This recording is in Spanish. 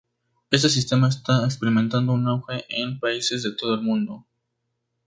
Este sistema está experimentando un auge en países de todo el mundo.